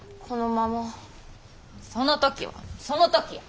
その時はその時や。